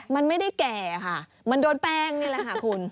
มันไม่ได้แก่ค่ะมันโดนแป้งนี่แหละค่ะคุณ